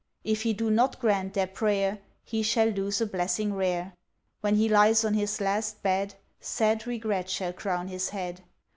If he do not grant their prayer, He shall lose a blessing rare, When he lies on his last bed, Sad regret shall crown his head.